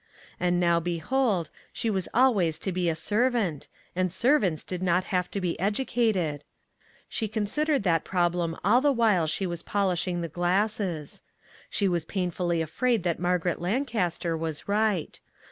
And now, behold, she was always to be a servant, and servants did not have to be educated ! She considered that problem all the while she was polishing the glasses. She was painfully afraid that Margaret Lancaster was right.